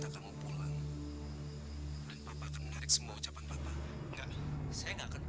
kalau harus mulai besok sih kak